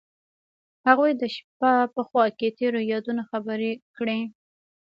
هغوی د شپه په خوا کې تیرو یادونو خبرې کړې.